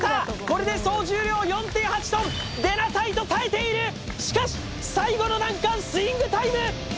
これで総重量４．８ｔデナタイト耐えているしかし最後の難関スイングタイム